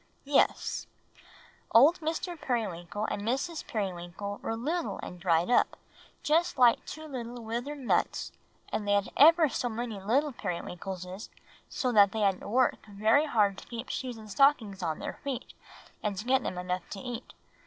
"Yes; old Mr. Periwinkle and Mrs. Periwinkle were little and dried up, just like two little withered nuts; and they had ever so many little Periwinkleses, and so they had to work very hard to keep shoes and stockings on their feet, and to get them enough to eat.